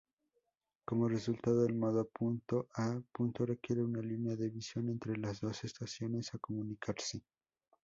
Como resultado, el modo punto-a-punto requiere una línea-de-visión entre las dos estaciones a comunicarse.